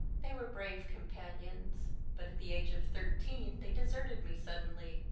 They were brave companions ; but at the age of thirteen they deserted me suddenly.